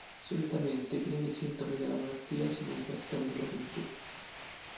Solitamente i primi sintomi della malattia si manifestano in gioventù.